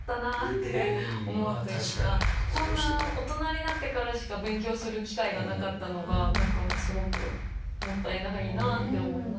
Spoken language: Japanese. こんな大人になってからしか勉強する機会がなかったのがすごくもったいないなぁって思いました。